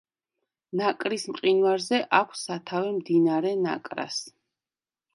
ნაკრის მყინვარზე აქვს სათავე მდინარე ნაკრას.